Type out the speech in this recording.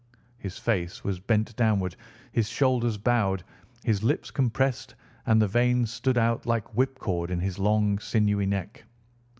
His face was bent downward, his shoulders bowed, his lips compressed, and the veins stood out like whipcord in his long, sinewy neck.